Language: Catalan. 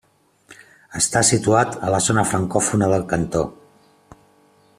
Està situat a la zona francòfona del cantó.